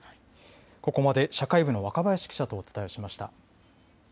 ここまで社会部の若林記者とお伝えしました。